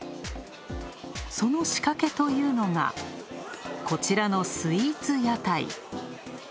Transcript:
その仕掛けというのが、こちらのスイーツ屋台。